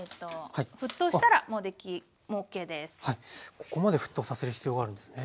ここまで沸騰させる必要があるんですね。